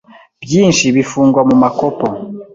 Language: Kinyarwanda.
byinshi bifungwa mu makopo,